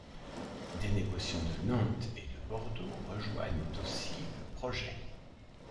Des négociants de Nantes et de Bordeaux rejoignent aussi le projet.